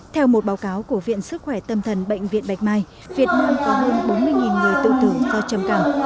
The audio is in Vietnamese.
theo một báo cáo của viện sức khỏe tâm thần bệnh viện bạch mai việt nam có hơn bốn mươi người tự tử do trầm cảm